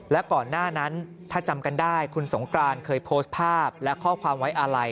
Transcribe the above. และก่อนหน้านั้นถ้าจำกันได้คุณสงกรานเคยโพสต์ภาพและข้อความไว้อาลัย